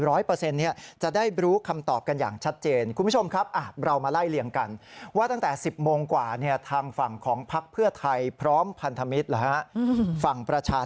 ร้อยเปอร์เซ็นต์นี้จะได้รู้คำตอบกันอย่างชัดเจน